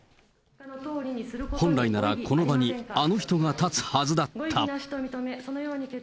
本来ならこの場に、あの人が立つはずだった。